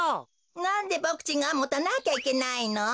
なんでボクちんがもたなきゃいけないの？